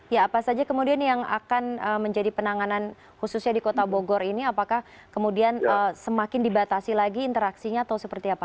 ya apa saja kemudian yang akan menjadi penanganan khususnya di kota bogor ini apakah kemudian semakin dibatasi lagi interaksinya atau seperti apa